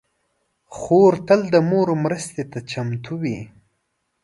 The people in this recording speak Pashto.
خور تل د مور مرستې ته چمتو وي.